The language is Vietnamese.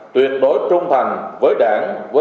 tuyệt đối trung thành với đảng